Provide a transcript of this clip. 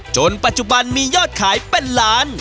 จนปัจจุบันมียอดขายเป็นล้าน